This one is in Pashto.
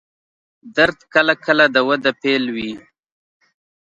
درد کله کله د وده پیل وي.